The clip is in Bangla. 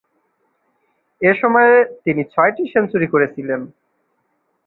এ সময়ে তিনি ছয়টি সেঞ্চুরি করেছিলেন।